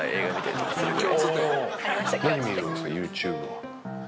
ＹｏｕＴｕｂｅは。